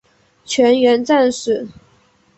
全员战死。